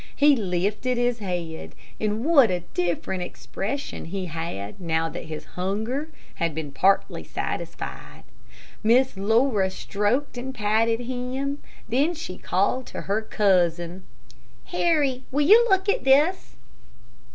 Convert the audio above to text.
He lifted his head, and what a different expression he had now that his hunger had been partly satisfied. Miss Laura stroked and patted him, then she called to her cousin, "Harry, will you look at this?"